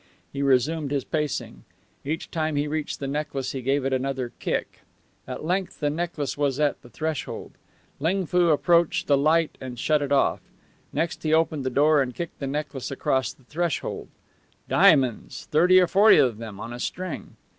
He resumed his pacing. Each time he reached the necklace he gave it another kick. At length the necklace was at the threshold. Ling Foo approached the light and shut it off. Next he opened the door and kicked the necklace across the threshold. Diamonds thirty or forty of them on a string.